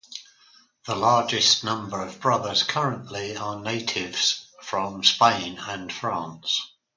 The largest number of brothers currently are natives from Spain and France.